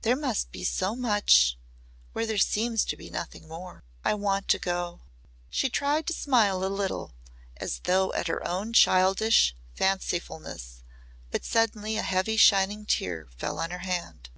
There must be so much where there seems to be nothing more. I want to go." She tried to smile a little as though at her own childish fancifulness but suddenly a heavy shining tear fell on her hand.